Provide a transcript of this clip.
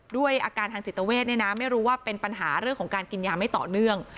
ด้วยอาการทางจิตเวทเนี่ยนะไม่รู้ว่าเป็นปัญหาเรื่องของการกินยาไม่ต่อเนื่อง